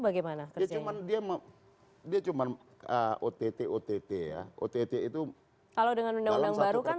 bagaimana kerja yang dia cuman dia cuman ott ott ya ott itu kalau dengan undang undang baru kan